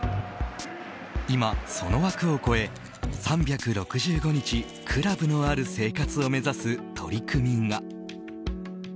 今その枠を超え３６５日クラブのある生活を目指す取り組みが。